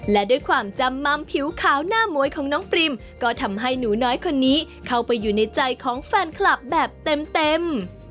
และด้วยความจำมัมผิวขาวหน้ามวยของน้องปริมก็ทำให้หนูน้อยคนนี้เข้าไปอยู่ในใจของแฟนคลับแบบเต็ม